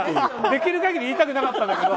できる限り言いたくなかったんだけど。